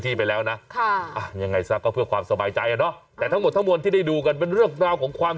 ที่ได้ดูกันเป็นเรื่องราวของความเชื่อนะคุณผู้ชมนะ